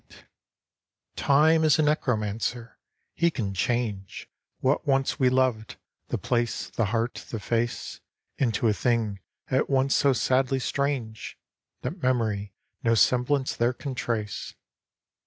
1 2 Time, Time is a Necromancer — he can change What once we lov'd, — the place, the heart, the face, Into a thing at once so sadly strange That memory no semblance there can trace